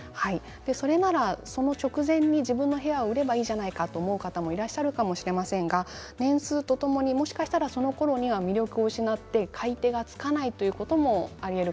それなら、その直前に自分の部屋を売ればいいと思う方もいらっしゃるかもしれませんが年数とともに、もしかしたらそのころには魅力を失って買い手がつかないということもありえる